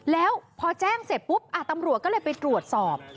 แล้วพอแจ้งเสร็จปุ๊บตำรวจก็เลยไปตรวจสอบ